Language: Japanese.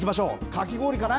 かき氷かな？